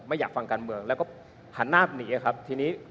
ไม่อยากฟังการเมื่องและหันนาบหนี